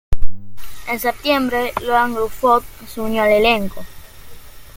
En septiembre, Ioan Gruffudd se unió al elenco.